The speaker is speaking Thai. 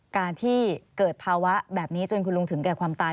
การที่เกิดภาวะแบบนี้จนคุณลุงถึงแก่ความตาย